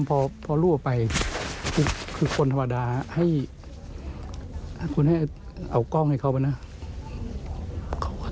พอรูปไปคือคนธรรมดาถ้าคุณให้เอากล้องให้เขาบ้างนะ